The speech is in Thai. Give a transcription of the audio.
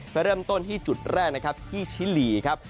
ไปเริ่มต้นที่จุดแรกนะครับที่ชิลีครับ